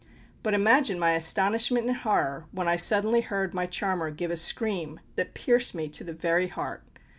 But imagine my astonishment and horror when I suddenly heard my charmer give a scream that pierced me to the very heart!